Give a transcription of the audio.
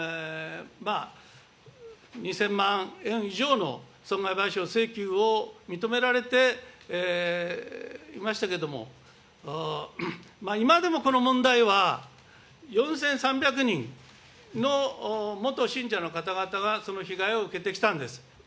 ２０００万円以上の損害賠償請求を認められていましたけれども、今でもこの問題は、４３００人の元信者の方々がその被害を受けてきたんです。